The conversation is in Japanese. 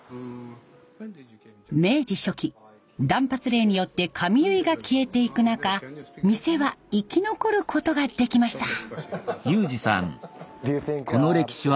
明治初期断髪令によって髪結いが消えていく中店は生き残ることができました。